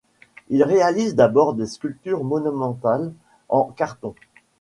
Il réalise d’abord des sculptures monumentales en carton.